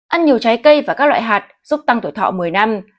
ăn nhiều trái cây và các loại hạt giúp tăng tuổi thọ một mươi năm